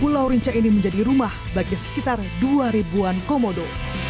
pulau rinca ini menjadi rumah bagi sekitar dua ribu an komodo